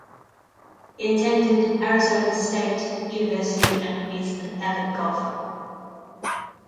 He attended Arizona State University, and is an avid golfer.